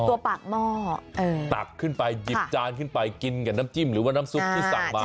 ตัวปากหม้อเออตักขึ้นไปหยิบจานขึ้นไปกินกับน้ำจิ้มหรือว่าน้ำซุปที่สั่งมา